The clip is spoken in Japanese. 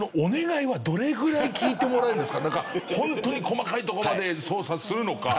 なんか本当に細かいとこまで捜査するのか？